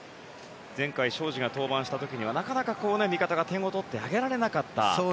前回荘司が登板した時にはなかなか味方が点を取ってあげられなかった。